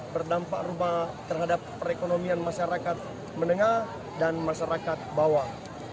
berdampak terhadap perekonomian masyarakat menengah dan masyarakat bawah